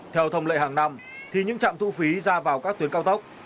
theo thông lệ hàng năm thì những trạm thu phí ra vào các tuyến cao tốc